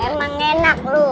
emang enak lu